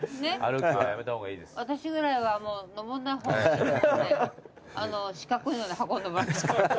私ぐらいはもう上んない方がいいと思って四角いので運んでもらった。